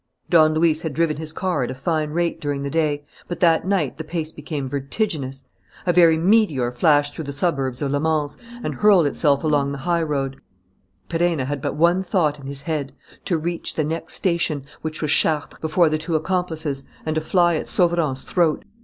Don Luis had driven his car at a fine rate during the day; but that night the pace became vertiginous. A very meteor flashed through the suburbs of Le Mans and hurled itself along the highroad. Perenna had but one thought in his head: to reach the next station, which was Chartres, before the two accomplices, and to fly at Sauverand's throat.